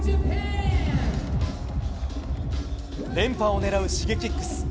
連覇を狙うＳｈｉｇｅｋｉｘ。